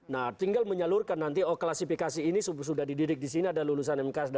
nah tinggal menyalurkan nanti oh klasifikasi ini sudah dididik di sini ada lulusan mkd